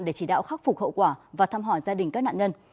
để chỉ đạo khắc phục hậu quả và thăm hỏi gia đình các nạn nhân